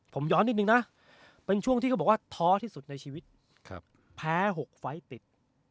ผมย้อนนิดนึงนะเป็นช่วงที่เขาบอกว่าท้อที่สุดในชีวิตแพ้๖ไฟล์ติด